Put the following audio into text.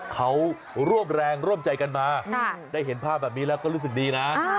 เขาร่วมแรงร่วมใจกันมาได้เห็นภาพแบบนี้แล้วก็รู้สึกดีนะ